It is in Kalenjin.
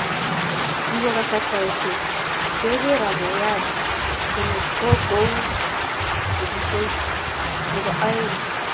kiwoo kasarta ochei keker ak keyaat konyee ko kukuwook likosoit ne bo oeng